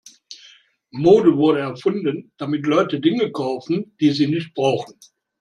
Mode wurde erfunden, damit Leute Dinge kaufen, die sie nicht brauchen.